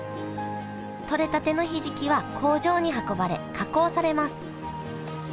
取れたてのひじきは工場に運ばれ加工されます